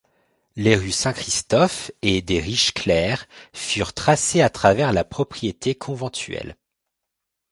Les rues 'Saint-Christophe' et 'des Riches-Claires' furent tracées à travers la propriété conventuelle.